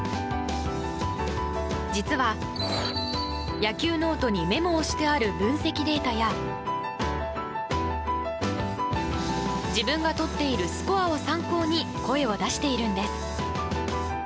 実は、野球ノートにメモをしてある分析データや自分がとっているスコアを参考に声を出しているんです。